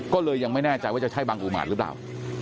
ก็เลยยังไม่แน่ใจว่าจะใช่บังอุมาตรหรือเปล่า